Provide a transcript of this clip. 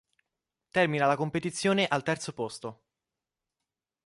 Termina la competizione al terzo posto.